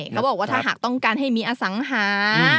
เขาบอกว่าถ้าหากต้องการให้มีอสังหา